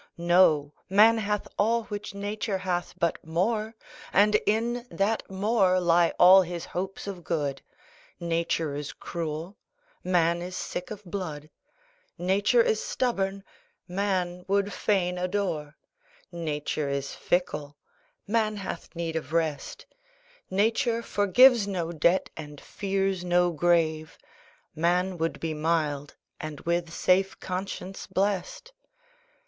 Know, man hath all which Nature hath, but more, And in that more lie all his hopes of good. Nature is cruel, man is sick of blood; Nature is stubborn, man would fain adore; Nature is fickle, man hath need of rest; Nature forgives no debt, and fears no grave; Man would be mild, and with safe conscience blest.